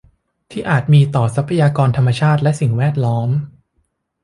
ที่อาจมีต่อทรัพยากรธรรมชาติสิ่งแวดล้อม